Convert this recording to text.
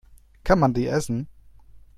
Kann man die essen?